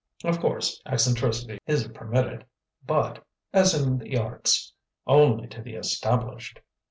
Of course eccentricity is permitted, but (as in the Arts) only to the established.